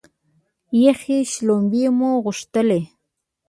یخې شلومبې مو غوښتلې.